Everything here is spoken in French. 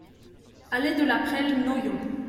Allée de la Prele, Noyon